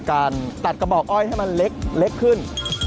การตัดกระบอกอ้อยให้มันเล็กขึ้น